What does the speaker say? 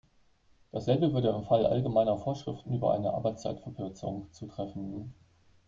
Dasselbe würde im Fall allgemeiner Vorschriften über eine Arbeitszeitverkürzung zutreffen.